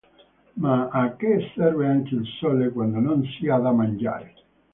Ma a che serve anche il sole quando non si ha da mangiare.